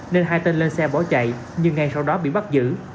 nên hai tên lên xe bỏ chạy nhưng ngay sau đó bị bắt giữ